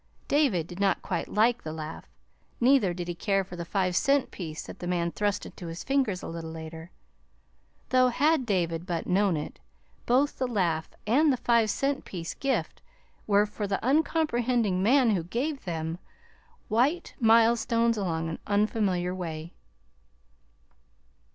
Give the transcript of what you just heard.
David did not quite like the laugh, neither did he care for the five cent piece that the man thrust into his fingers a little later; though had David but known it both the laugh and the five cent piece gift were for the uncomprehending man who gave them white milestones along an unfamiliar way.